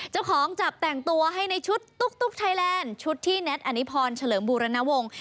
เจ้าของจับแต่งตัวให้ในชุดตุ๊กไทยแลนด์ชุดที่แน็ตอนิพรเฉลิมบูรณวงศ์